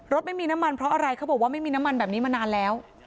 ไม่มีน้ำมันเพราะอะไรเขาบอกว่าไม่มีน้ำมันแบบนี้มานานแล้ว